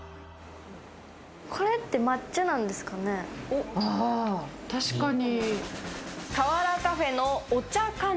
これって抹茶なんですかね？